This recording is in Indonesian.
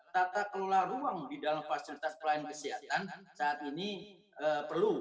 tata kelola ruang di dalam fasilitas pelayanan kesehatan saat ini perlu